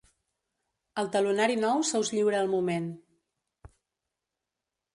El talonari nou se us lliura al moment.